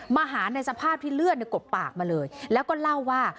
มาหาในสภาพที่เลือดกบปากมาเลยแล้วก็เล่าว่า